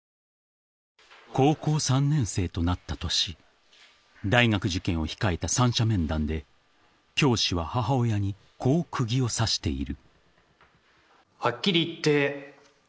［高校３年生となった年大学受験を控えた三者面談で教師は母親にこう釘を刺している］